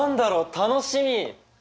楽しみ！